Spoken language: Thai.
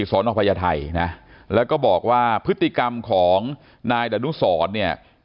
สอนอพญาไทยนะแล้วก็บอกว่าพฤติกรรมของนายดนุสรเนี่ย